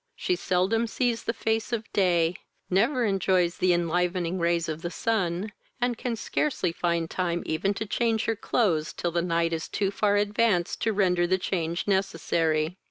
She seldom sees the face of day, never enjoys the enlivening rays of the sun, and can scarcely find time even to change her clothes till the night is too far advanced to render the change necessary.